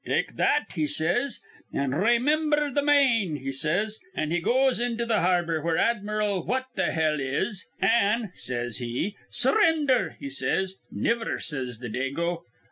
'Take that,' he says, 'an' raymimber th' Maine,' he says. An' he goes into th' harbor, where Admiral What th' 'ell is, an', says he, 'Surrinder,' he says. 'Niver,' says th' Dago.